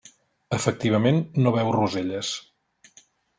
Efectivament no veu roselles.